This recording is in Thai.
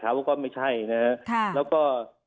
เพราะว่าไม่ใช่นะคะแล้วก็